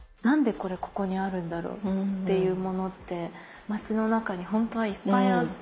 これここにあるんだろうっていうものって街の中にほんとはいっぱいあって。